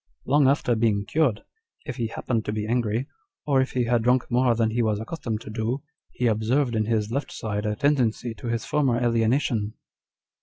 Long after being cured, if ho happened to be angry, or if he had drunk more than he was accustomed to do, he observed in his left side a tendency to his former alienation."